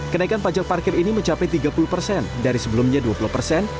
kenaikan pajak parkir ini mencapai tiga puluh persen dari sebelumnya dua puluh persen